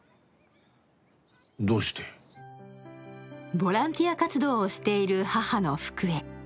ボランティア活動をしている母の福江。